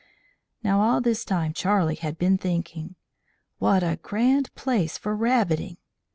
Now all this time Charlie had been thinking: "What a grand place for rabbiting!"